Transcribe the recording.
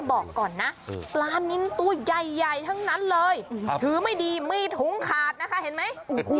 บอกก่อนนะปลานินตัวใหญ่ทั้งนั้นเลยถือไม่ดีมีถุงขาดนะคะเห็นไหม